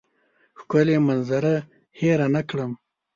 ښکلې منظره هېره نه کړم.